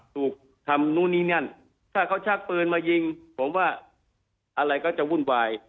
ถูกทำนู่นนี่นั่นถ้าเขาชักปืนมายิงผมว่าอะไรก็จะวุ่นวาย